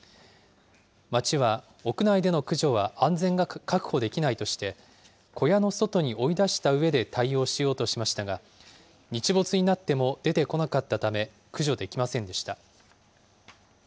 町は、屋内での駆除は安全が確保できないとして、小屋の外に追い出したうえで対応しようとしましたが、日没になっても出てこなかったため、駆除できませんでした。